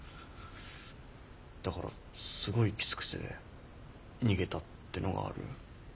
だからすごいきつくて逃げたってのがある。